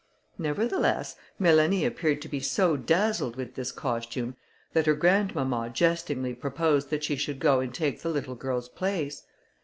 Nevertheless, Mélanie appeared to be so dazzled with this costume, that her grandmamma jestingly proposed that she should go and take the little girl's place.